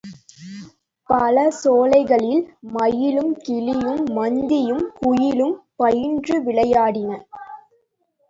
பல சோலைகளில் மயிலும் கிளியும் மந்தியும் குயிலும் பயின்று விளையாடின.